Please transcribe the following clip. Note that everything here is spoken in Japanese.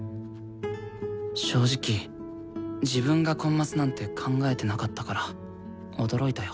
正直自分がコンマスなんて考えてなかったから驚いたよ。